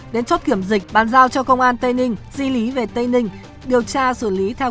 đến chốt kiểm dịch bàn giao cho công an tây ninh di lý về tây ninh điều tra xử lý theo quy định của pháp luật